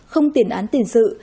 không tiền án tiền sự